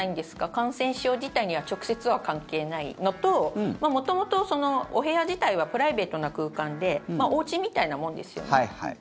感染症自体には直接は関係ないのと元々、お部屋自体はプライベートな空間でおうちみたいなもんですよね。